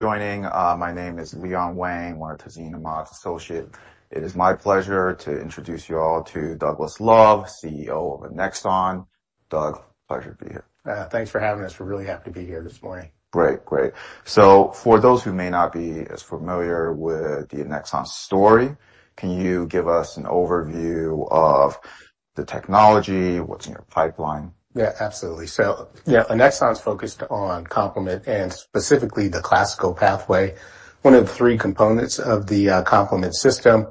My name is Leon Wang, one of Tazeen Ahmad's associate. It is my pleasure to introduce you all to Douglas Love, CEO of Annexon. Doug, pleasure to be here. Thanks for having us. We're really happy to be here this morning. Great, great. For those who may not be as familiar with the Annexon story, can you give us an overview of the technology? What's in your pipeline? Yeah, absolutely. Yeah, Annexon's focused on complement, and specifically the classical pathway, one of the three components of the complement system.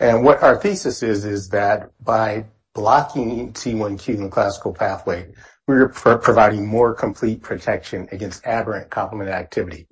What our thesis is that by blocking C1q in the classical pathway, we're providing more complete protection against aberrant complement activity.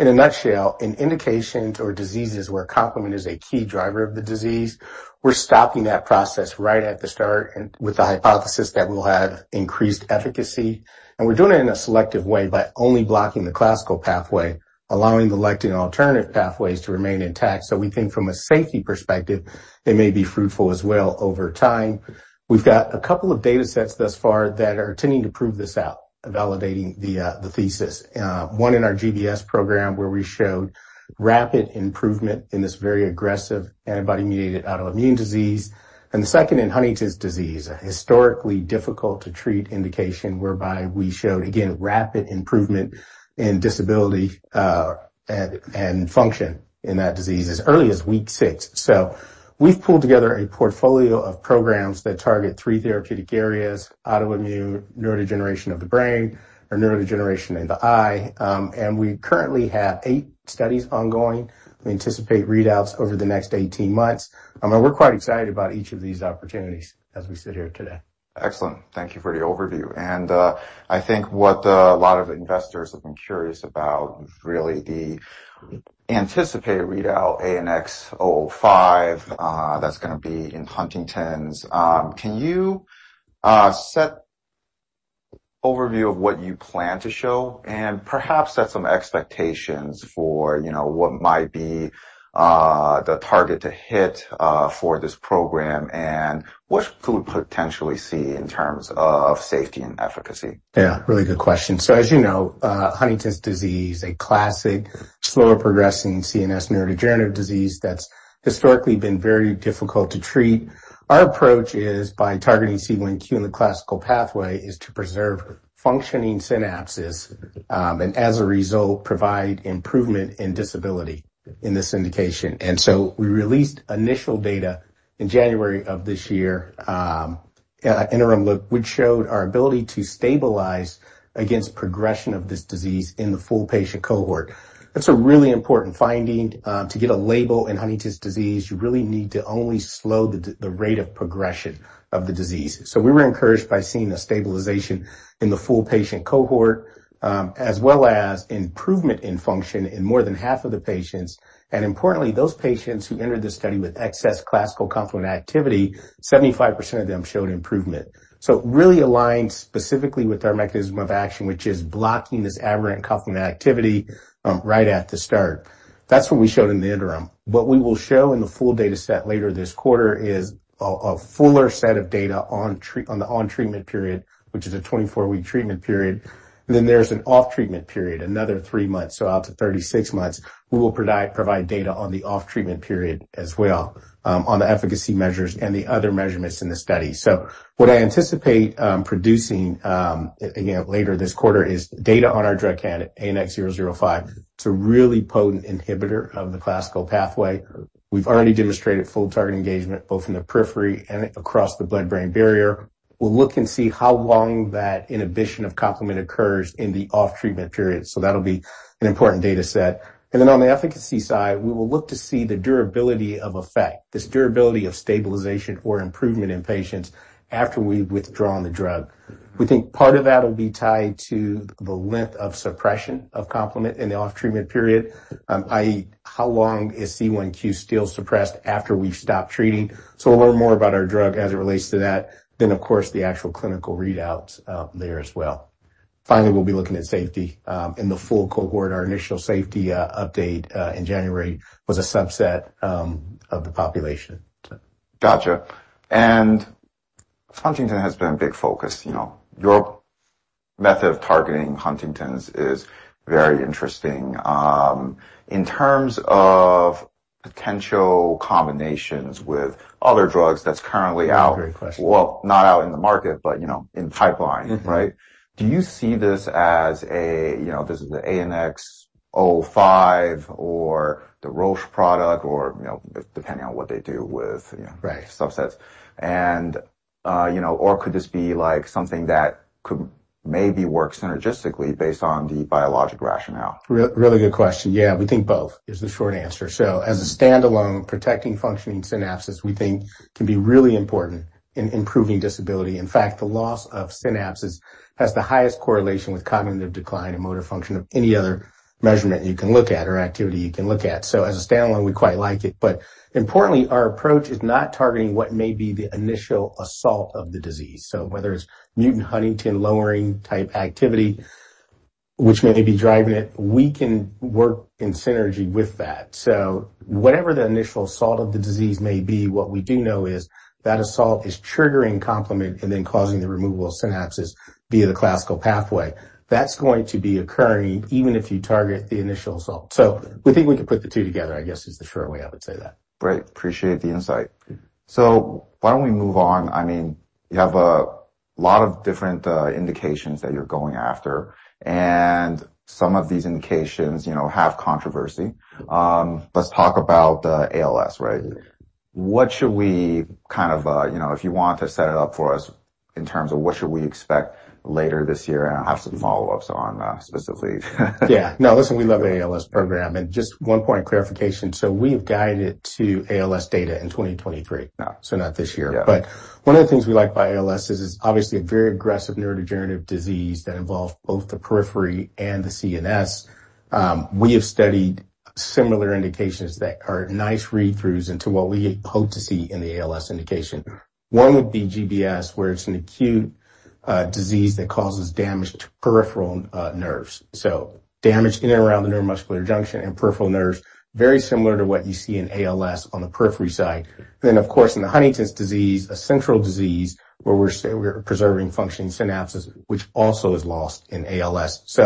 In a nutshell, in indications or diseases where complement is a key driver of the disease, we're stopping that process right at the start and with the hypothesis that we'll have increased efficacy. We're doing it in a selective way by only blocking the classical pathway, allowing the lectin and alternative pathways to remain intact. We think from a safety perspective, they may be fruitful as well over time. We've got a couple of data sets thus far that are tending to prove this out, validating the thesis. One in our GBS program where we showed rapid improvement in this very aggressive antibody-mediated autoimmune disease. The second in Huntington's disease, a historically difficult to treat indication whereby we showed, again, rapid improvement in disability, and function in that disease as early as week six. We've pulled together a portfolio of programs that target three therapeutic areas, autoimmune, neurodegeneration of the brain, or neurodegeneration in the eye. We currently have eight studies ongoing. We anticipate readouts over the next 18 months. We're quite excited about each of these opportunities as we sit here today. Excellent. Thank you for the overview. I think what a lot of investors have been curious about is really the anticipated readout, ANX005, that's gonna be in Huntington's. Can you set overview of what you plan to show and perhaps set some expectations for, you know, what might be the target to hit for this program and what could we potentially see in terms of safety and efficacy? Yeah, really good question. As you know, Huntington's disease, a classic slower progressing CNS neurodegenerative disease that's historically been very difficult to treat. Our approach is by targeting C1q in the classical pathway, is to preserve functioning synapses, and as a result, provide improvement in disability in this indication. We released initial data in January of this year, interim look, which showed our ability to stabilize against progression of this disease in the full patient cohort. That's a really important finding. To get a label in Huntington's disease, you really need to only slow the rate of progression of the disease. We were encouraged by seeing a stabilization in the full patient cohort, as well as improvement in function in more than half of the patients. Importantly, those patients who entered the study with excess classical complement activity, 75% of them showed improvement. Really aligned specifically with our mechanism of action, which is blocking this aberrant complement activity right at the start. That's what we showed in the interim. What we will show in the full data set later this quarter is a fuller set of data on the on-treatment period, which is a 24-week treatment period. Then there's an off-treatment period, another three months, so out to 36 months. We will provide data on the off-treatment period as well, on the efficacy measures and the other measurements in the study. What I anticipate producing again later this quarter is data on our drug candidate, ANX005. It's a really potent inhibitor of the classical pathway. We've already demonstrated full target engagement both in the periphery and across the blood-brain barrier. We'll look and see how long that inhibition of complement occurs in the off-treatment period. That'll be an important data set. On the efficacy side, we will look to see the durability of effect, this durability of stabilization or improvement in patients after we've withdrawn the drug. We think part of that will be tied to the length of suppression of complement in the off-treatment period, i.e., how long is C1q still suppressed after we've stopped treating? We'll learn more about our drug as it relates to that. Of course, the actual clinical readouts out there as well. We'll be looking at safety in the full cohort. Our initial safety update in January was a subset of the population. Gotcha. Huntington has been a big focus, you know. Your method of targeting Huntington's is very interesting. In terms of potential combinations with other drugs that's currently out- Great question. Well, not out in the market, but you know, in pipeline, right? Mm-hmm. Do you see this as a, you know, this is the ANX005 or the Roche product or, you know, depending on what they do with? Right. You know, could this be like something that could maybe work synergistically based on the biologic rationale? Really good question. Yeah, we think both is the short answer. As a standalone, protecting functioning synapses, we think can be really important in improving disability. In fact, the loss of synapses has the highest correlation with cognitive decline and motor function of any other measurement you can look at or activity you can look at. As a standalone, we quite like it. Importantly, our approach is not targeting what may be the initial assault of the disease. Whether it's mutant huntingtin lowering type activity which may be driving it, we can work in synergy with that. Whatever the initial assault of the disease may be, what we do know is that assault is triggering complement and then causing the removal of synapses via the classical pathway. That's going to be occurring even if you target the initial assault. We think we can put the two together, I guess, is the short way I would say that. Great. Appreciate the insight. Why don't we move on? I mean, you have a lot of different indications that you're going after, and some of these indications, you know, have controversy. Let's talk about ALS, right? What should we kind of you know, if you want to set it up for us in terms of what should we expect later this year? I have some follow-ups on specifically. Yeah. No, listen, we love ALS program. Just one point of clarification, so we've guided to ALS data in 2023. Yeah. Not this year. Yeah. One of the things we like about ALS is it's obviously a very aggressive neurodegenerative disease that involves both the periphery and the CNS. We have studied similar indications that are nice read-throughs into what we hope to see in the ALS indication. One would be GBS, where it's an acute disease that causes damage to peripheral nerves. Damage in and around the neuromuscular junction and peripheral nerves, very similar to what you see in ALS on the periphery side. Of course, in the Huntington's disease, a central disease where we're preserving functioning synapses, which also is lost in ALS.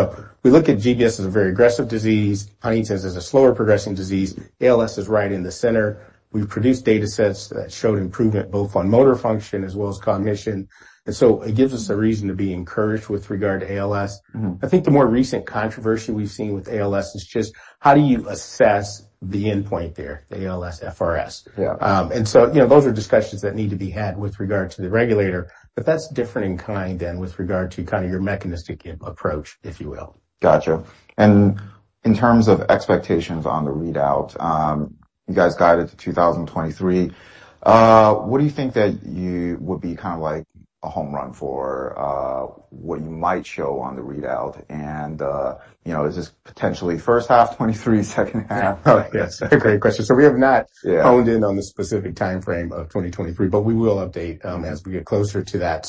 We look at GBS as a very aggressive disease. Huntington's is a slower progressing disease. ALS is right in the center. We've produced data sets that showed improvement both on motor function as well as cognition. It gives us a reason to be encouraged with regard to ALS. Mm-hmm. I think the more recent controversy we've seen with ALS is just how do you assess the endpoint there, the ALSFRS? Yeah. You know, those are discussions that need to be had with regard to the regulator, but that's different in kind than with regard to kind of your mechanistic approach, if you will. Gotcha. In terms of expectations on the readout, you guys guided to 2023. What do you think that you would be kind of like a home run for, what you might show on the readout and, you know, is this potentially first half 2023, second half? Yes. Great question. We have not. Yeah. honed in on the specific timeframe of 2023, but we will update as we get closer to that.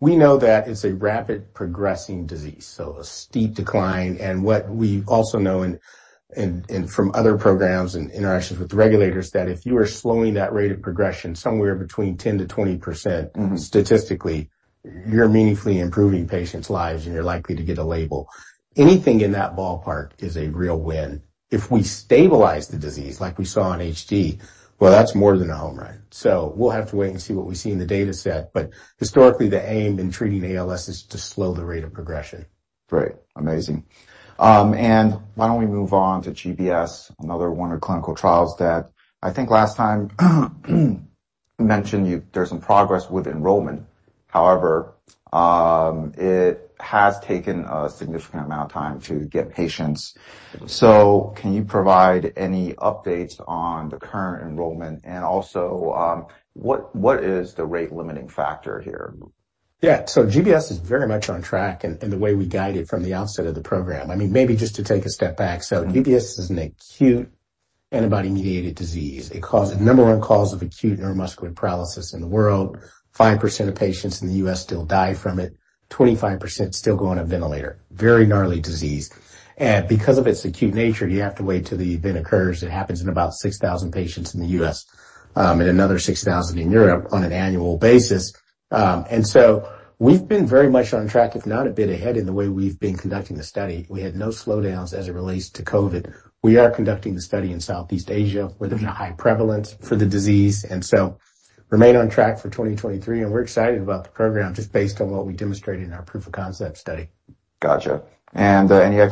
We know that it's a rapid progressing disease, so a steep decline. What we also know and from other programs and interactions with regulators, that if you are slowing that rate of progression somewhere between 10%-20% Mm-hmm. Statistically, you're meaningfully improving patients' lives, and you're likely to get a label. Anything in that ballpark is a real win. If we stabilize the disease like we saw in HD, well, that's more than a home run. So we'll have to wait and see what we see in the data set. Historically, the aim in treating ALS is to slow the rate of progression. Great. Amazing. Why don't we move on to GBS, another one of clinical trials that I think last time you mentioned there's some progress with enrollment. However, it has taken a significant amount of time to get patients. Can you provide any updates on the current enrollment? What is the rate limiting factor here? Yeah. GBS is very much on track in the way we guide it from the outset of the program. I mean, maybe just to take a step back. GBS is an acute antibody-mediated disease. It causes the number one cause of acute neuromuscular paralysis in the world. 5% of patients in the U.S. still die from it. 25% still go on a ventilator. Very gnarly disease. Because of its acute nature, you have to wait till the event occurs. It happens in about 6,000 patients in the U.S., and another 6,000 in Europe on an annual basis. We've been very much on track, if not a bit ahead in the way we've been conducting the study. We had no slowdowns as it relates to COVID. We are conducting the study in Southeast Asia, where there's a high prevalence for the disease, and so remain on track for 2023. We're excited about the program just based on what we demonstrated in our proof of concept study. Gotcha. Well,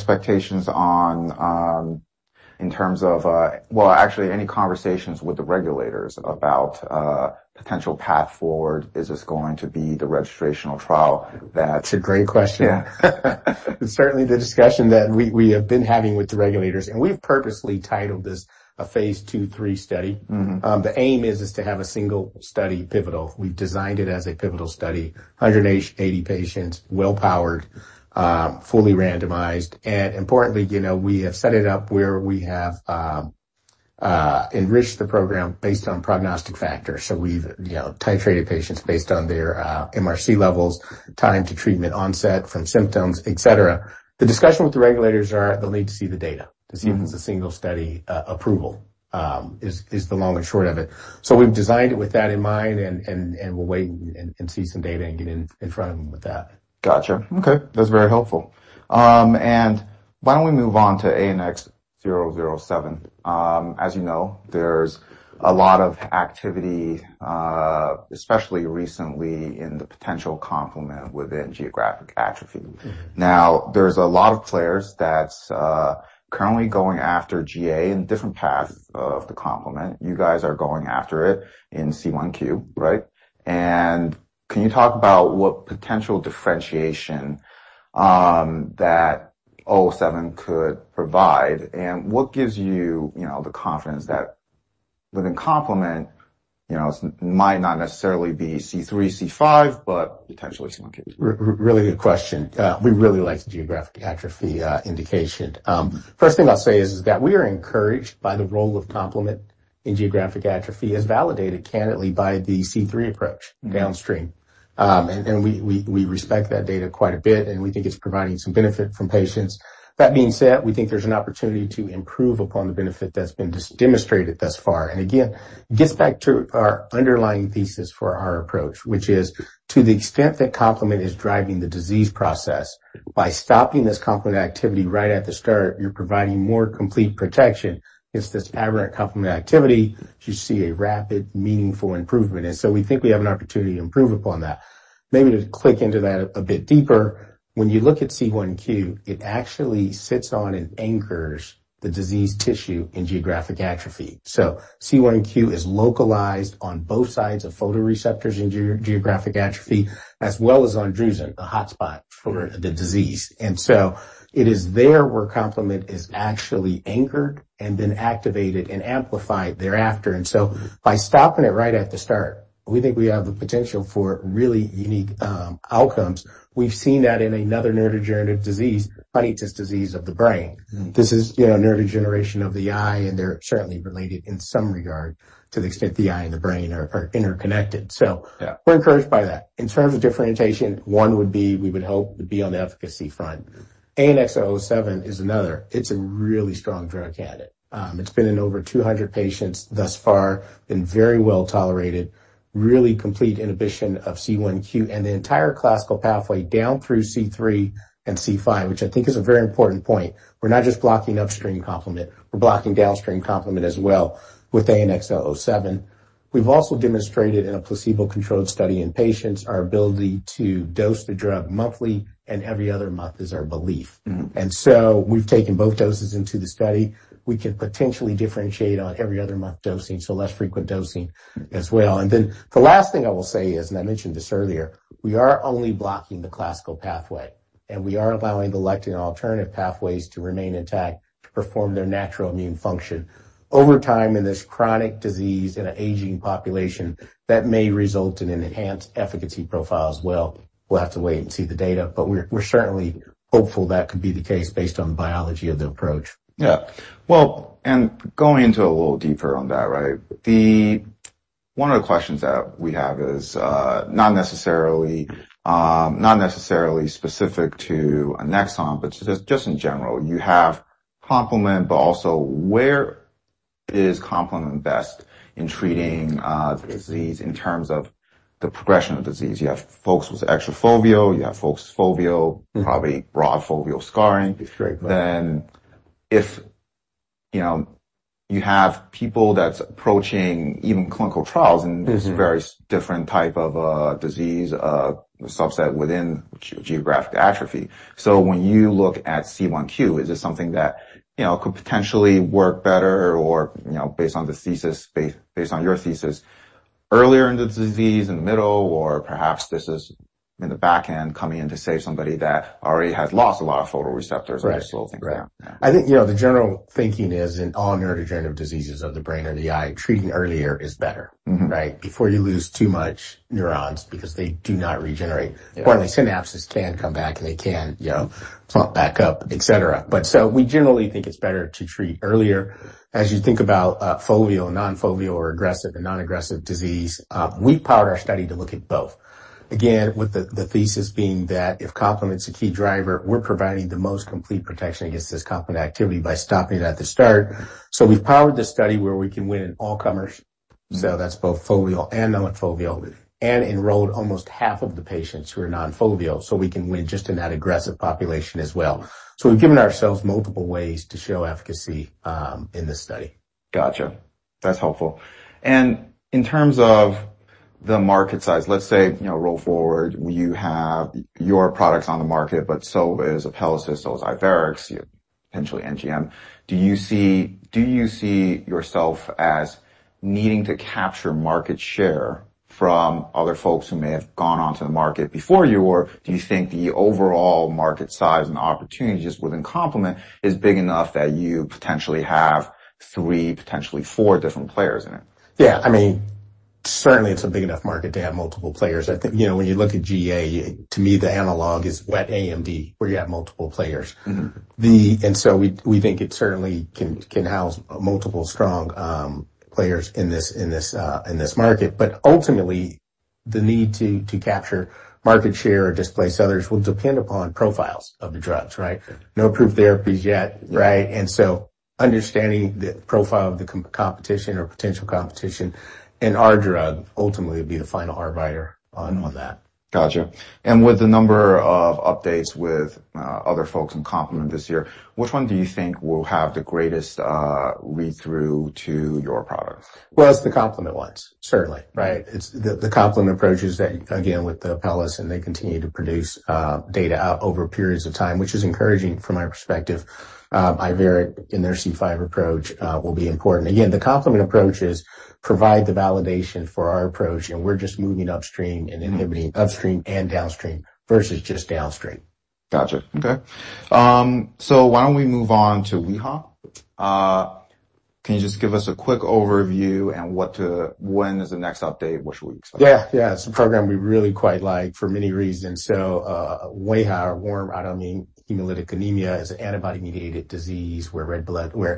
actually, any conversations with the regulators about potential path forward? Is this going to be the registrational trial? That's a great question. Yeah. Certainly the discussion that we have been having with the regulators, and we've purposely titled this a phase 2/3 study. Mm-hmm. The aim is to have a single study pivotal. We've designed it as a pivotal study. 180 patients, well-powered, fully randomized. Importantly, you know, we have set it up where we have enriched the program based on prognostic factors. We've, you know, stratified patients based on their MRC levels, time to treatment onset from symptoms, et cetera. The discussion with the regulators are they'll need to see the data. Mm-hmm. To see if it's a single study approval is the long and short of it. We've designed it with that in mind and we'll wait and see some data and get in front of them with that. Gotcha. Okay. That's very helpful. Why don't we move on to ANX007. As you know, there's a lot of activity, especially recently in the potential complement within geographic atrophy. Now, there's a lot of players that's currently going after GA in different paths of the complement. You guys are going after it in C1q, right? Can you talk about what potential differentiation that 007 could provide and what gives you know, the confidence that within complement, you know, might not necessarily be C3/C5, but potentially some cases. Really good question. We really like the geographic atrophy indication. First thing I'll say is that we are encouraged by the role of complement in geographic atrophy as validated candidly by the C3 approach downstream. And we respect that data quite a bit, and we think it's providing some benefit to patients. That being said, we think there's an opportunity to improve upon the benefit that's been demonstrated thus far. Again, it gets back to our underlying thesis for our approach, which is to the extent that complement is driving the disease process, by stopping this complement activity right at the start, you're providing more complete protection against this aberrant complement activity, you see a rapid, meaningful improvement. We think we have an opportunity to improve upon that. Maybe to click into that a bit deeper. When you look at C1q, it actually sits on and anchors the disease tissue in geographic atrophy. C1q is localized on both sides of photoreceptors in geographic atrophy as well as on drusen, the hotspot for the disease. It is there where complement is actually anchored and then activated and amplified thereafter. By stopping it right at the start, we think we have the potential for really unique outcomes. We've seen that in another neurodegenerative disease, Huntington's disease of the brain. This is, you know, neurodegeneration of the eye, and they're certainly related in some regard to the extent the eye and the brain are interconnected. Yeah. We're encouraged by that. In terms of differentiation, one would be, we would hope to be on the efficacy front. ANX007 is another. It's a really strong drug candidate. It's been in over 200 patients thus far, been very well tolerated, really complete inhibition of C1q and the entire classical pathway down through C3 and C5, which I think is a very important point. We're not just blocking upstream complement, we're blocking downstream complement as well with ANX007. We've also demonstrated in a placebo-controlled study in patients our ability to dose the drug monthly and every other month is our belief. Mm-hmm. We've taken both doses into the study. We could potentially differentiate on every other month dosing, so less frequent dosing as well. The last thing I will say is, and I mentioned this earlier, we are only blocking the classical pathway, and we are allowing the lectin alternative pathways to remain intact to perform their natural immune function. Over time, in this chronic disease, in an aging population, that may result in an enhanced efficacy profile as well. We'll have to wait and see the data, but we're certainly hopeful that could be the case based on the biology of the approach. Yeah. Well, going into a little deeper on that, right? One of the questions that we have is not necessarily specific to Annexon, but just in general. You have complement, but also where is complement best in treating the disease in terms of the progression of disease? You have folks with extrafoveal, you have folks with foveal, probably broad foveal scarring. That's right. If you know, you have people that's approaching even clinical trials and there's various different type of disease subset within geographic atrophy. When you look at C1q, is this something that you know, could potentially work better or you know, based on your thesis earlier in the disease, in the middle, or perhaps this is in the back end coming in to save somebody that already has lost a lot of photoreceptors? Right. I just want to thank that. I think, you know, the general thinking is in all neurodegenerative diseases of the brain or the eye, treating earlier is better. Mm-hmm. Right? Before you lose too much neurons because they do not regenerate. Partly synapses can come back and they can, you know, plump back up, et cetera. We generally think it's better to treat earlier. As you think about foveal, non-foveal or aggressive and non-aggressive disease, we powered our study to look at both. With the thesis being that if complement's a key driver, we're providing the most complete protection against this complement activity by stopping it at the start. We've powered this study where we can win in all comers. That's both foveal and non-foveal, and enrolled almost half of the patients who are non-foveal, so we can win just in that aggressive population as well. We've given ourselves multiple ways to show efficacy in this study. Gotcha. That's helpful. In terms of the market size, let's say, you know, roll forward, you have your products on the market, but so is Apellis, so is Iveric Bio, potentially NGM. Do you see, do you see yourself as needing to capture market share from other folks who may have gone on to the market before you? Or do you think the overall market size and opportunity just within complement is big enough that you potentially have three, potentially four different players in it? Yeah. I mean, certainly it's a big enough market to have multiple players. I think, you know, when you look at GA, to me, the analog is wet AMD, where you have multiple players. Mm-hmm. We think it certainly can house multiple strong players in this market. Ultimately, the need to capture market share or displace others will depend upon profiles of the drugs, right? Sure. No approved therapies yet, right? Understanding the profile of the competition or potential competition in our drug ultimately will be the final arbiter on all that. Gotcha. With the number of updates with other folks in complement this year, which one do you think will have the greatest read-through to your product? Well, it's the complement ones, certainly. Right? It's the complement approaches that, again, with Apellis, and they continue to produce data out over periods of time, which is encouraging from my perspective. Iveric Bio in their C5 approach will be important. Again, the complement approaches provide the validation for our approach, and we're just moving upstream and inhibiting upstream and downstream versus just downstream. Gotcha. Okay. Why don't we move on to wAIHA? Can you just give us a quick overview? When is the next update? What should we expect? Yeah. Yeah. It's a program we really quite like for many reasons. wAIHA, warm autoimmune hemolytic anemia, is an antibody-mediated disease where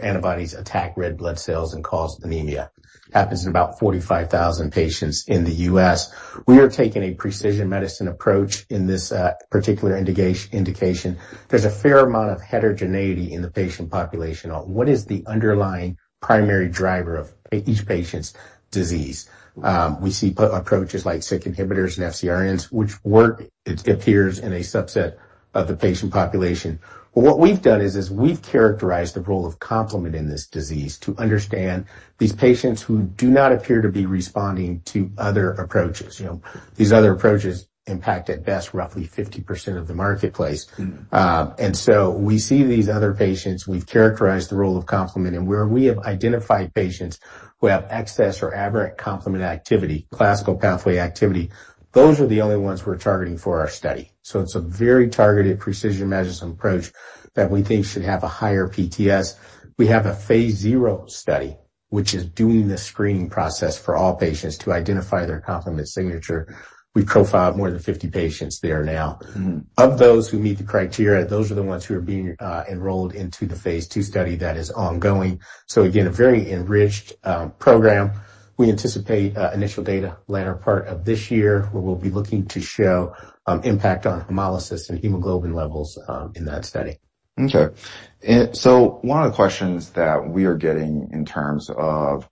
antibodies attack red blood cells and cause anemia. Happens in about 45,000 patients in the U.S. We are taking a precision medicine approach in this particular indication. There's a fair amount of heterogeneity in the patient population on what is the underlying primary driver of each patient's disease. We see approaches like Syk inhibitors and FcRn, which work, it appears, in a subset of the patient population. But what we've done is we've characterized the role of complement in this disease to understand these patients who do not appear to be responding to other approaches. You know, these other approaches impact, at best, roughly 50% of the marketplace. Mm-hmm. We see these other patients. We've characterized the role of complement, and where we have identified patients who have excess or aberrant complement activity, classical pathway activity, those are the only ones we're targeting for our study. It's a very targeted precision medicine approach that we think should have a higher PTS. We have a Phase 2 study, which is doing the screening process for all patients to identify their complement signature. We've profiled more than 50 patients there now. Mm-hmm. Of those who meet the criteria, those are the ones who are being enrolled into the Phase 2 study that is ongoing. Again, a very enriched program. We anticipate initial data latter part of this year, where we'll be looking to show impact on hemolysis and hemoglobin levels in that study. One of the questions that we are getting in terms of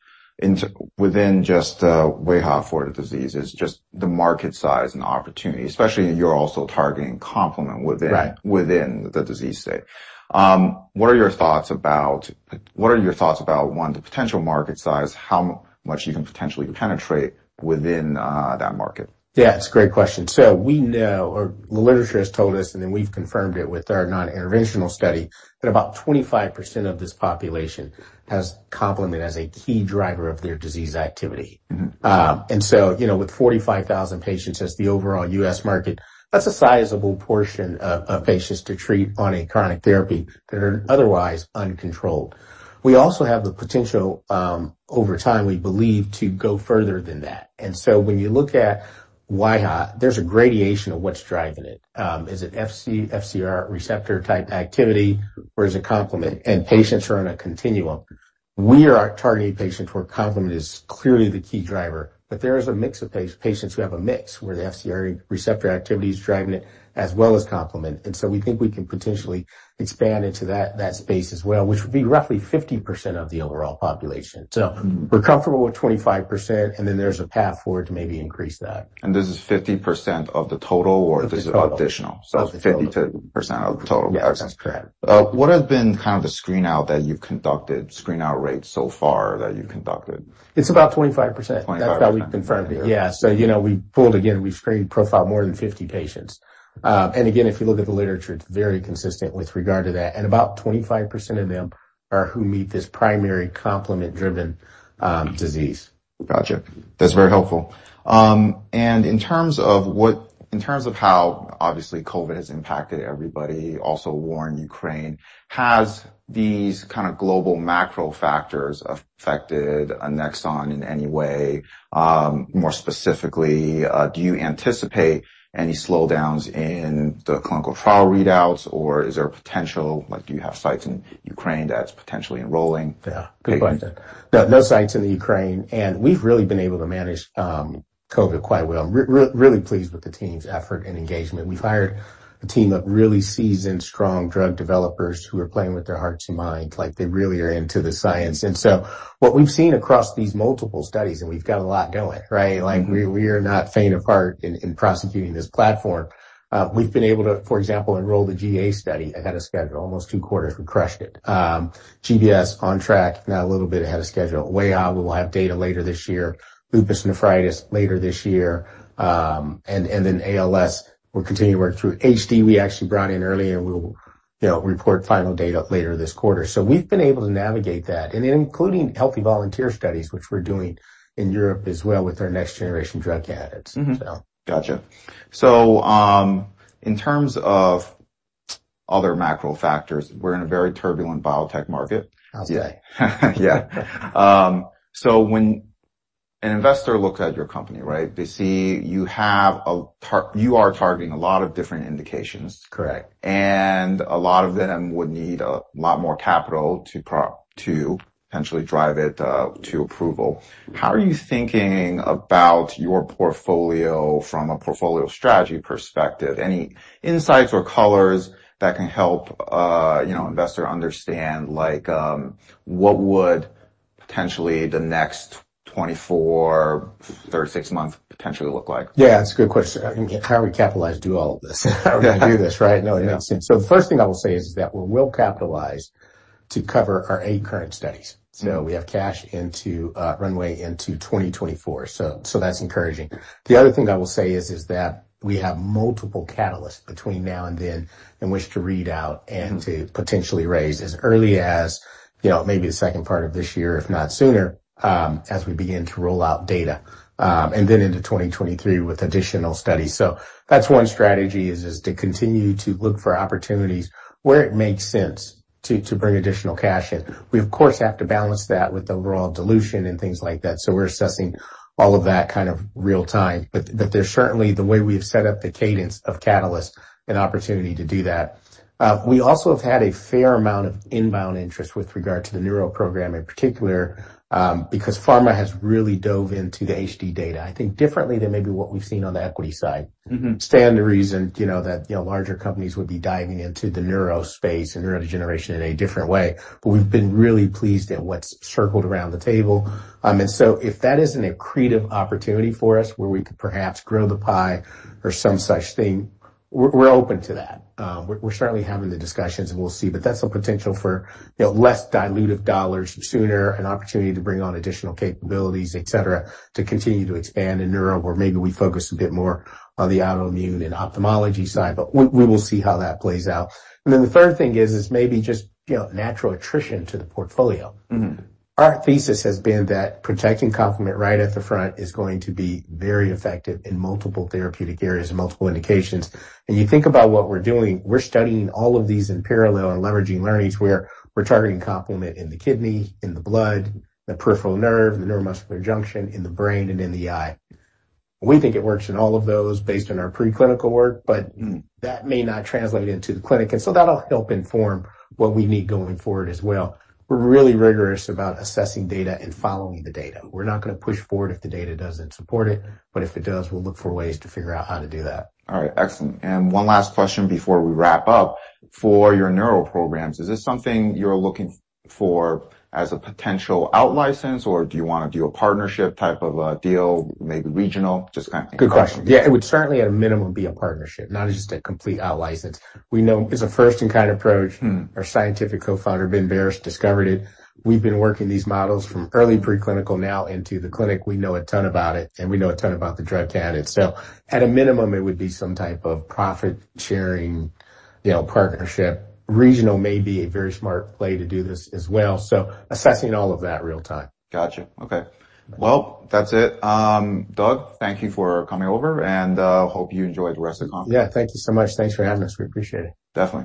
within just, WAIHA for the disease is just the market size and opportunity, especially you're also targeting complement within- Right. Within the disease state. What are your thoughts about one, the potential market size, how much you can potentially penetrate within that market? Yeah, it's a great question. We know, or the literature has told us, and then we've confirmed it with our non-interventional study, that about 25% of this population has complement as a key driver of their disease activity. Mm-hmm. You know, with 45,000 patients as the overall U.S. market, that's a sizable portion of patients to treat on a chronic therapy that are otherwise uncontrolled. We also have the potential, over time, we believe, to go further than that. When you look at wAIHA, there's a gradation of what's driving it. Is it Fc receptor-type activity, or is it complement? And patients are on a continuum. We are targeting patients where complement is clearly the key driver, but there is a mix of patients who have a mix, where the Fc receptor activity is driving it as well as complement. We think we can potentially expand into that space as well, which would be roughly 50% of the overall population. We're comfortable with 25%, and then there's a path forward to maybe increase that. This is 50% of the total or this is. Of the total. -additional? Of the total. 50% of the total. Yeah, that's correct. What has been kind of the screen out rates so far that you've conducted? It's about 25%. 25%. That's what we've confirmed, yeah. You know, we've pulled again, we've screened, profiled more than 50 patients. Again, if you look at the literature, it's very consistent with regard to that. About 25% of them are who meet this primary complement-driven disease. Gotcha. That's very helpful. In terms of how, obviously, COVID has impacted everybody, also war in Ukraine, has these kind of global macro factors affected Annexon in any way? More specifically, do you anticipate any slowdowns in the clinical trial readouts, or is there a potential, like do you have sites in Ukraine that's potentially enrolling? Yeah. Good question. No, no sites in Ukraine, and we've really been able to manage COVID quite well. Really pleased with the team's effort and engagement. We've hired a team of really seasoned, strong drug developers who are playing with their hearts and minds, like they really are into the science. What we've seen across these multiple studies, and we've got a lot going, right? Mm-hmm. We're not faint of heart in prosecuting this platform. We've been able to, for example, enroll the GA study ahead of schedule. Almost two quarters, we crushed it. GBS on track, if not a little bit ahead of schedule. wAIHA, we will have data later this year. Lupus nephritis later this year. ALS, we're continuing to work through. HD, we actually brought in earlier. We'll, you know, report final data later this quarter. We've been able to navigate that. Including healthy volunteer studies, which we're doing in Europe as well with our next-generation drug candidates. Mm-hmm. So. Gotcha. In terms of other macro factors, we're in a very turbulent biotech market. I'll say. Yeah. When an investor looks at your company, right? They see you are targeting a lot of different indications. Correct. A lot of them would need a lot more capital to potentially drive it to approval. How are you thinking about your portfolio from a portfolio strategy perspective? Any insights or colors that can help investor understand like what would potentially the next 24-36 months potentially look like? Yeah, that's a good question. How are we capitalized to do all of this? Yeah. How are we gonna do this, right? No, it makes sense. The first thing I will say is that we will capitalize to cover our eight current studies. We have cash runway into 2024. That's encouraging. The other thing I will say is that we have multiple catalysts between now and then in which to read out and to potentially raise as early as, you know, maybe the second part of this year, if not sooner, as we begin to roll out data, and then into 2023 with additional studies. That's one strategy is to continue to look for opportunities where it makes sense to bring additional cash in. We of course have to balance that with the overall dilution and things like that. We're assessing all of that kind of real time. There's certainly the way we've set up the cadence of catalyst and opportunity to do that. We also have had a fair amount of inbound interest with regard to the neuro program in particular, because pharma has really dove into the HD data, I think differently than maybe what we've seen on the equity side. Mm-hmm. Stands to reason, you know, that, you know, larger companies would be diving into the neuro space and neurodegeneration in a different way. We've been really pleased at what's circled around the table. If that is an accretive opportunity for us where we could perhaps grow the pie or some such thing, we're open to that. We're certainly having the discussions and we'll see, but that's a potential for, you know, less dilutive dollars sooner, an opportunity to bring on additional capabilities, et cetera, to continue to expand in neuro, or maybe we focus a bit more on the autoimmune and ophthalmology side. We will see how that plays out. The third thing is maybe just, you know, natural attrition to the portfolio. Mm-hmm. Our thesis has been that protecting complement right at the front is going to be very effective in multiple therapeutic areas and multiple indications. You think about what we're doing, we're studying all of these in parallel and leveraging learnings where we're targeting complement in the kidney, in the blood, the peripheral nerve, the neuromuscular junction, in the brain, and in the eye. We think it works in all of those based on our preclinical work, but that may not translate into the clinic, and so that'll help inform what we need going forward as well. We're really rigorous about assessing data and following the data. We're not gonna push forward if the data doesn't support it, but if it does, we'll look for ways to figure out how to do that. All right. Excellent. One last question before we wrap up. For your neuro programs, is this something you're looking for as a potential out license, or do you wanna do a partnership type of a deal, maybe regional? Just kind of thinking out loud. Good question. Yeah. It would certainly at a minimum be a partnership, not just a complete out license. We know it's a first in kind approach. Mm. Our scientific co-founder, Ben Barres, discovered it. We've been working these models from early preclinical now into the clinic. We know a ton about it, and we know a ton about the drug candidate. At a minimum, it would be some type of profit sharing, you know, partnership. Regional may be a very smart play to do this as well. Assessing all of that real time. Gotcha. Okay. Well, that's it. Doug, thank you for coming over and hope you enjoy the rest of the conference. Yeah. Thank you so much. Thanks for having us. We appreciate it. Definitely.